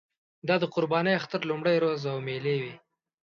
دا د قربانۍ اختر لومړۍ ورځ وه او مېلې وې.